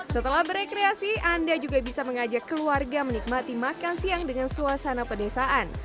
setelah berekreasi anda juga bisa mengajak keluarga menikmati makan siang dengan suasana pedesaan